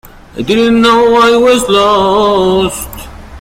El manuscrito fue añadido a la lista de manuscritos del Nuevo Testamento por Scholz.